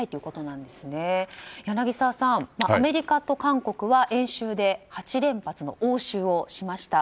柳澤さん、アメリカと韓国は演習で８連発の応酬をしました。